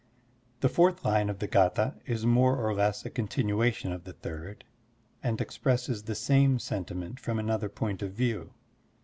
The fourth line of the g^thS, is more or less a continuation of the third and expresses the same sentiment from another point of view.